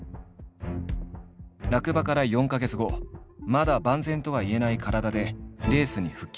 落馬から４か月後まだ万全とはいえない体でレースに復帰。